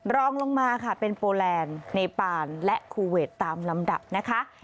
รองลงมาค่ะเป็นโปแลนด์เนปานและคูเวทตามลำดับนะคะ